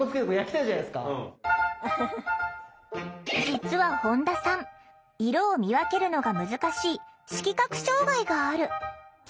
実は本田さん色を見分けるのが難しい色覚障害がある。